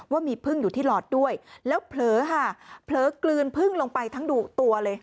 ว่ามีพึ่งอยู่ที่หลอดด้วยแล้วเผลอค่ะเผลอกลืนพึ่งลงไปทั้งดุตัวเลย